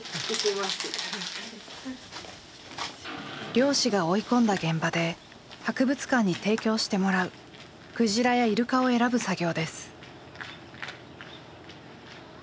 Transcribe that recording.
漁師が追い込んだ現場で博物館に提供してもらうクジラやイルカを選ぶ作業です。